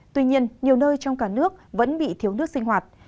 tuy nhiên nhiều nơi trong cả nước vẫn bị thiếu nước sinh hoạt